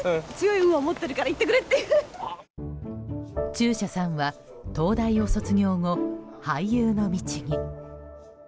中車さんは東大を卒業後俳優の道に。